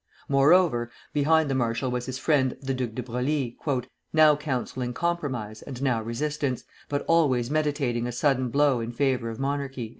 Moreover, behind the marshal was his friend the Duc de Broglie, "now counselling compromise and now resistance, but always meditating a sudden blow in favor of monarchy."